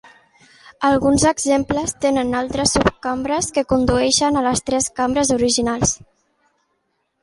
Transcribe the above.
Alguns exemples tenen altres subcambres que condueixen a les tres cambres originals.